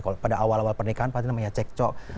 kalau pada awal awal pernikahan pasti namanya cekcok